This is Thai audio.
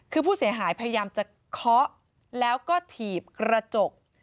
คือผู้เสียหายพยายามจะเคาะแล้วก็ถีบกระจก